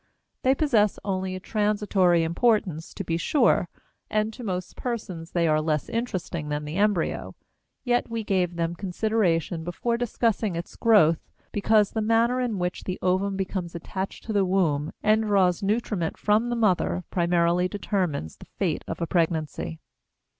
They possess only a transitory importance, to be sure, and to most persons they are less interesting than the embryo, yet we gave them consideration before discussing its growth because the manner in which the ovum becomes attached to the womb and draws nutriment from the mother primarily determines the fate of a pregnancy.